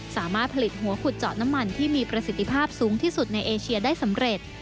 สามารถผลิตหัวขุดเจาะน้ำมันที่มีประสิทธิภาพสูงที่สุดในเอเชียได้สำเร็จ